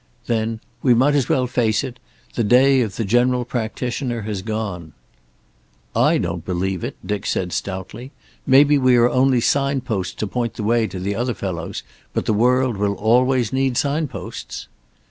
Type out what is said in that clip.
Then: "We might as well face it. The day of the general practitioner has gone." "I don't believe it," Dick said stoutly. "Maybe we are only signposts to point the way to the other fellows, but the world will always need signposts."